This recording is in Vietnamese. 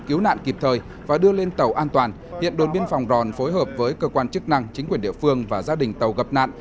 cứu nạn kịp thời và đưa lên tàu an toàn hiện đồn biên phòng ròn phối hợp với cơ quan chức năng chính quyền địa phương và gia đình tàu gặp nạn